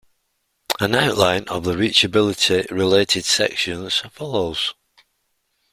An outline of the reachability related sections follows.